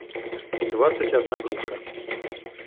двадцать одна груша